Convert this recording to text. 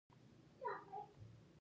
آیا د افغان تاجک نفتي حوزه تیل لري؟